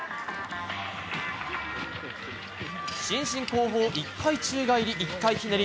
伸身後方１回宙返り１回ひねり